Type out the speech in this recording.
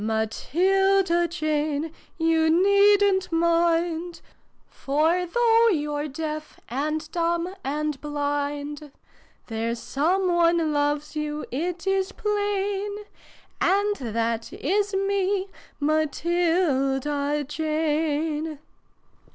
"Matilda Jane, you needn't mind: For, though you're deaf, and dumb, and blind, There s some one loves you, it is plain And that is me, Matilda Jane